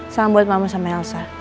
salam buat mama sama elsa